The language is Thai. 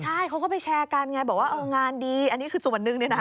ใช่เขาก็ไปแชร์กันไงบอกว่าเอองานดีอันนี้คือส่วนหนึ่ง